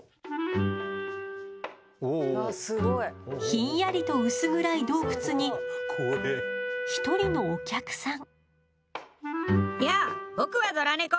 ひんやりと薄暗い洞窟に１人のお客さん。